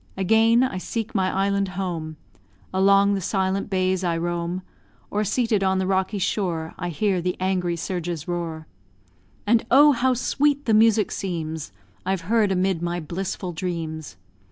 Again I seek my island home; Along the silent bays I roam, Or, seated on the rocky shore, I hear the angry surges roar. And oh, how sweet the music seems I've heard amid my blissful dreams!